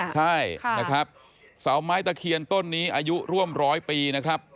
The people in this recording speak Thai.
ใช่นะครับเสาไม้ตะเคียนต้นนี้อายุร่วมร้อยปีนะครับ